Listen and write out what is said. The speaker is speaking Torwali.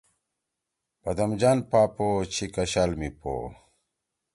پدم جان پاپو چھی کشال می پو